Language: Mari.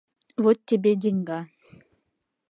— Вот тебе деньга.